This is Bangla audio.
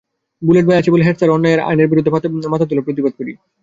বুলেট ভাই আছে বলে হেডস্যারের অন্যায় আইনের বিরুদ্ধে মাথা তুলে প্রতিবাদ করি।